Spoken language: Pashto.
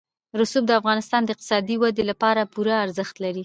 رسوب د افغانستان د اقتصادي ودې لپاره پوره ارزښت لري.